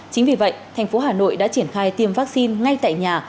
chính vì vậy thành phố hà nội đã triển khai tiêm vaccine ngay tại nhà